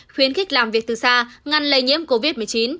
khuyến khích làm việc từ xa ngăn lây nhiễm covid một mươi chín